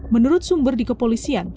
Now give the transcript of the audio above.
menurut sumber di kepolisian